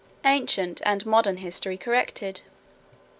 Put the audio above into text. Ancient and modern history corrected.